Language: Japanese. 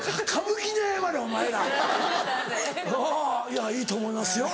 「いやいいと思いますよ」